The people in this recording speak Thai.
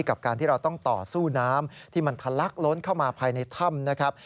กับการที่เราต้องต่อสู้น้ำที่มันทะลักล้นเข้ามาภายในถ้ำนะครับ